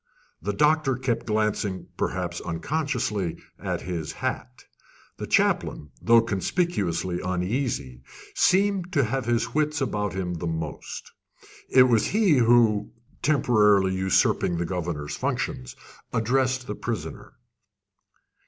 The doctor kept glancing, perhaps unconsciously, at his hat. The chaplain, though conspicuously uneasy, seemed to have his wits about him most. It was he who, temporarily usurping the governor's functions, addressed the prisoner.